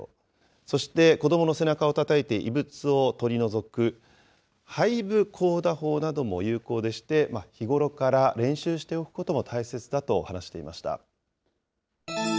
そして、子どもの背中をたたいて異物を取り除く、背部叩打法なども有効でして、日頃から練習しておくことも大切だと話していました。